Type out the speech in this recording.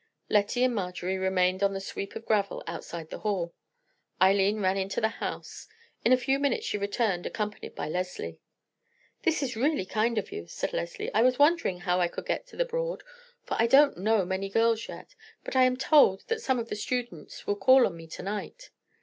Lettie and Marjorie remained on the sweep of gravel outside the hall. Eileen ran into the house. In a few minutes she returned, accompanied by Leslie. "This is really kind of you," said Leslie. "I was wondering how I could get to the Broad, for I don't know many girls yet; but I am told that some of the students will call on me to night."